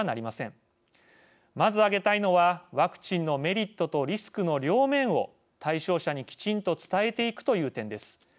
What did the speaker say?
まず挙げたいのは、ワクチンのメリットとリスクの両面を対象者にきちんと伝えていくという点です。